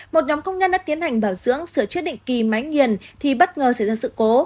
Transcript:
một nhóm công nhân đã tiến hành bảo dưỡng sửa chữa định kỳ máy nghiền thì bất ngờ xảy ra sự cố